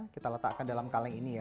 kita letakkan dalam kaleng ini ya